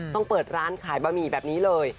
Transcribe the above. ต้องเปิดร้านขายบะหมี่แบบนี้เลย